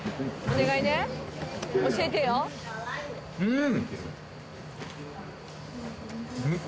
うん！